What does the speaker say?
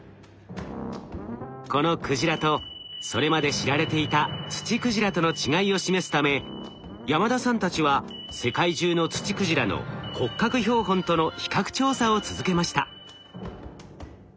このクジラとそれまで知られていたツチクジラとの違いを示すため山田さんたちは世界中のツチクジラの骨格標本との比較調査を続けました。